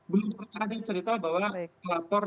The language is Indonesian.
belum pernah ada cerita bahwa pelapor